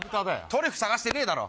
トリュフ探してねえだろ！